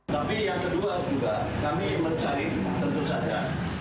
tapi yang kedua juga kami mencari tentu saja